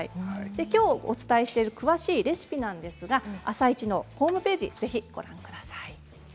きょうお伝えしている詳しいレシピは「あさイチ」のホームページをご覧ください。